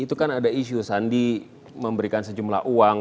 itu kan ada isu sandi memberikan sejumlah uang